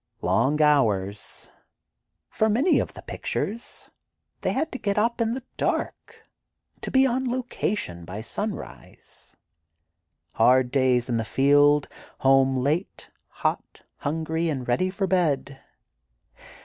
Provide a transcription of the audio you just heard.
Long hours. For many of the pictures, they had to get up in the dark, to be "on location" by sunrise. Hard days in the field, home late, hot, hungry and ready for bed.